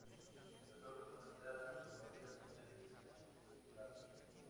Las hojas son alternas, herbáceas, lineales lanceoladas.